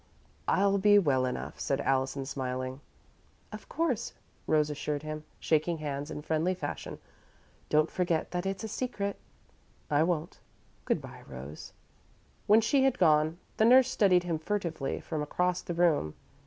"I'll be well enough," said Allison, smiling. "Of course," Rose assured him, shaking hands in friendly fashion. "Don't forget that it's a secret." "I won't. Good bye, Rose." When she had gone, the nurse studied him furtively, from across the room.